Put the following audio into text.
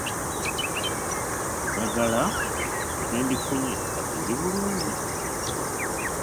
Eddagala ke ndifunye kati ndi bulungi.